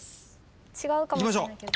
違うかもしれないけど。